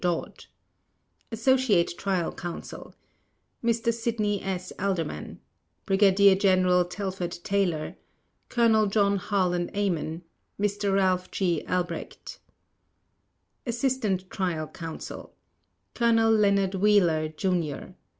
Dodd ASSOCIATE TRIAL COUNSEL: Mr. Sidney S. Alderman Brigadier General Telford Taylor Colonel John Harlan Amen Mr. Ralph G. Albrecht ASSISTANT TRIAL COUNSEL: Colonel Leonard Wheeler, Jr.